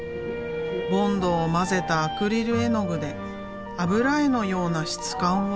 ボンドを混ぜたアクリル絵の具で油絵のような質感を生み出す。